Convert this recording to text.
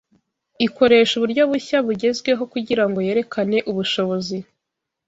ikoresha uburyo bushya bugezweho kugirango yerekane ubushobozi